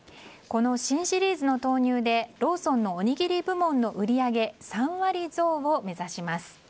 この新シリーズの投入でローソンのおにぎり部門の売り上げ３割増を目指します。